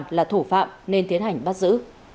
phát là thủ phạm nên tiến hành bắt giữ